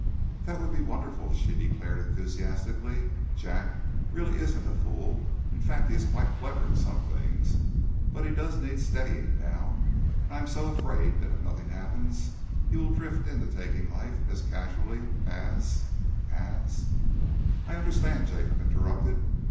"That would be wonderful," she declared enthusiastically. "Jack really isn't a fool in fact he is quite clever in some things but he does need steadying down, and I'm so afraid that if nothing happens he will drift into taking life as casually as as " "I understand," Jacob interrupted.